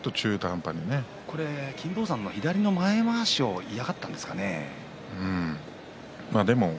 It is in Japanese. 金峰山の左前まわしを嫌がったんですかね。